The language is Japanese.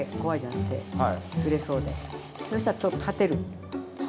そしたらちょっと立てる？